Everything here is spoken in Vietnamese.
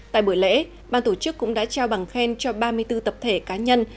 tại buổi lễ ban tổ chức cũng đã trao bằng khen cho ba mươi bốn tập thể cá nhân